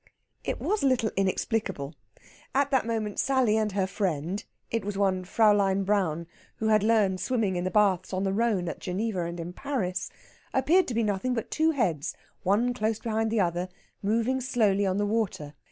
It was a little inexplicable. At that moment Sally and her friend it was one Fräulein Braun, who had learned swimming in the baths on the Rhone at Geneva and in Paris appeared to be nothing but two heads, one close behind the other, moving slowly on the water.